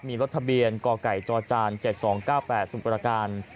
มีรถทะเบียนกไก่จจ๗๒๙๘สมุประการ